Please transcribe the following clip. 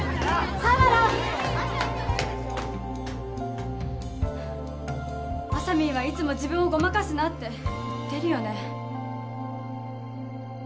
あさみんはいつも自分をごまかすなって言ってるよね・